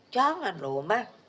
jangan loh mah